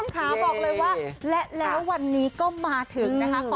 ขาบอกเลยว่าและแล้ววันนี้ก็มาถึงนะคะ